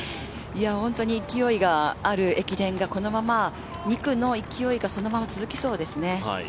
勢いがある駅伝がこのまま、２区の勢いがそのまま続きそうですね。